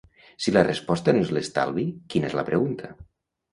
Si la resposta no és l'estalvi, quina és la pregunta?